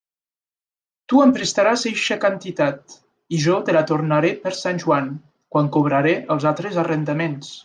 Tu em prestaràs eixa quantitat i jo te la tornaré per Sant Joan, quan cobraré els altres arrendaments.